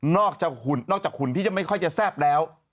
นอกจากหุ่นที่จะไม่ค่อยจะแซ่บแล้ว